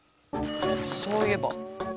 そういえば。